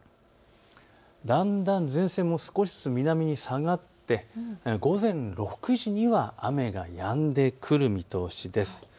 だんだん前線も少しずつ南に下がって午前６時には雨がやんでくる見通しです。